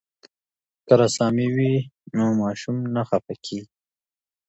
که رسامي وي نو ماشوم نه خفه کیږي.